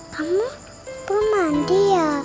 kamu belum mandi ya